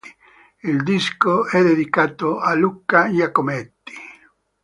Il disco è dedicato a Luca Giacometti.